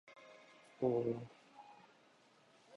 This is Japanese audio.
ヒノカミ神楽烈日紅鏡（ひのかみかぐられつじつこうきょう）